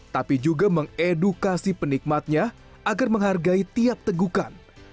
tapi juga mengedukasi penikmatnya agar menghargai tiap tegukan